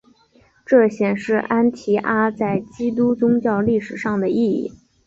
这显示安提阿在基督宗教历史上的意义。